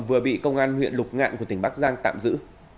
vừa bị công an huyện lục ngạn của tỉnh bắc giang tạm giữ